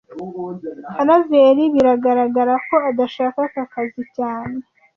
Karaveri biragaragara ko adashaka aka kazi cyane